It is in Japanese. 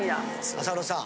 浅野さん。